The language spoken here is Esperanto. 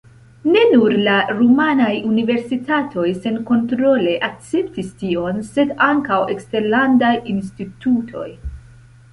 Ne nur la rumanaj universitatoj senkontrole akceptis tion, sed ankaŭ eksterlandaj institutoj.